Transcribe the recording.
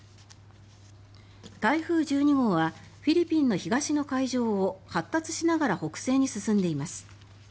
台風１２号はフィリピンの東の海上を発達しながら北西に進んでいます。